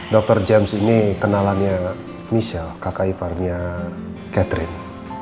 dr james ini kenalannya michelle kakak iparnya catherine